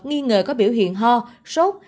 nghi ngờ có biểu hiện ho sốt